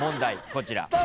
こちら。